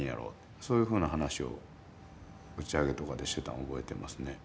そういうふうな話を打ち上げとかでしてたのを覚えてますね。